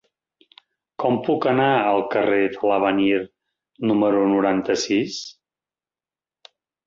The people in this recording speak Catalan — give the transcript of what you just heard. Com puc anar al carrer de l'Avenir número noranta-sis?